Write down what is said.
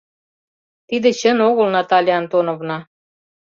Тиде чын огыл, Наталья Антоновна.